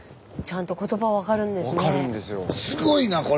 ちゃんと言葉分かるんですね。